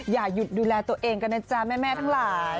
อย่าหยุดดูแลตัวเองกันนะจ๊ะแม่ทั้งหลาย